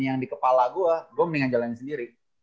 yang di kepala gue gue mendingan jalan sendiri